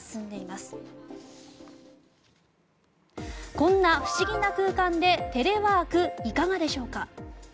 こんな不思議な空間でテレワーク、いかがでしょうか。